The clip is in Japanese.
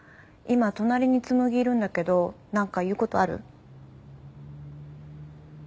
今隣に紬いるんだけど何か言うことある？